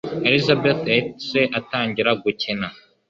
Elizabeth yahise atangira gukina.